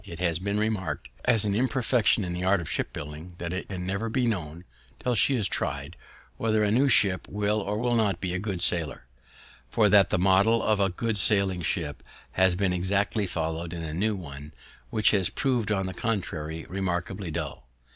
It has been remark'd, as an imperfection in the art of ship building, that it can never be known, till she is tried, whether a new ship will or will not be a good sailer; for that the model of a good sailing ship has been exactly follow'd in a new one, which has prov'd, on the contrary, remarkably dull.